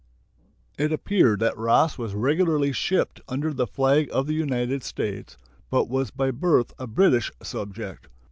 It appeared that Ross was regularly shipped under the flag of the United States, but was by birth a British subject.